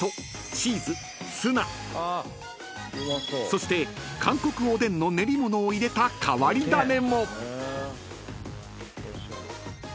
［そして韓国おでんの練り物を入れた変わり種も］